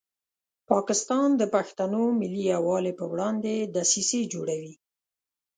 پاکستان د پښتنو ملي یووالي په وړاندې دسیسې جوړوي.